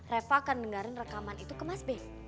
repa akan dengerin rekaman itu ke mas b